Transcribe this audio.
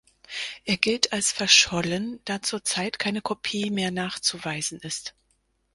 Er gilt als verschollen, da zurzeit keine Kopie mehr nachzuweisen ist.